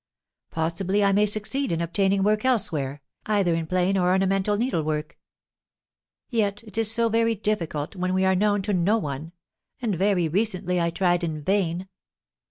Possibly I may succeed in obtaining work elsewhere, either in plain or ornamental needlework. Yet it is so very difficult when we are known to no one; and very recently I tried in vain.